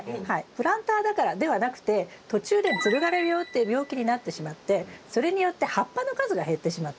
プランターだからではなくて途中でつる枯病っていう病気になってしまってそれによって葉っぱの数が減ってしまった。